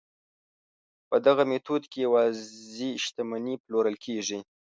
په دغه میتود کې یوازې شتمنۍ پلورل کیږي.